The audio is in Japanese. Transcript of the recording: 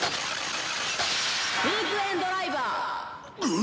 「ウィークエンドライバー！」